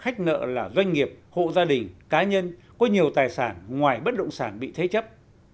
khách nợ là doanh nghiệp hộ gia đình cá nhân có nhiều tài sản ngoài bất động sản bị thế chấp